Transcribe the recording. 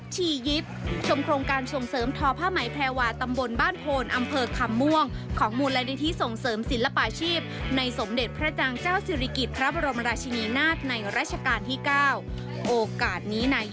ติดตามจากรายงานของทีมข่าวกันเมืองไทยรัฐทีวีค่ะ